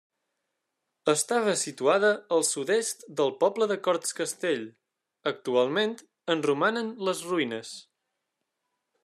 Estava situada al sud-est del poble de Cortscastell; actualment en romanen les ruïnes.